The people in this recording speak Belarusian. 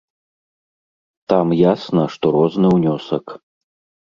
Там ясна, што розны ўнёсак.